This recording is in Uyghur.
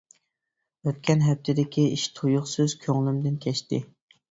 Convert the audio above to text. ئۆتكەن ھەپتىدىكى ئىش تۇيۇقسىز كۆڭلۈمدىن كەچتى.